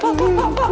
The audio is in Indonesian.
pak pak pak